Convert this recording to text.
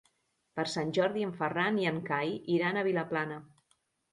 Per Sant Jordi en Ferran i en Cai iran a Vilaplana.